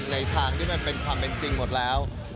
ในทางที่มันเป็นความเป็นจริงหมดแล้ว